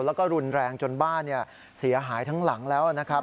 แล้วก็รุนแรงจนบ้านเสียหายทั้งหลังแล้วนะครับ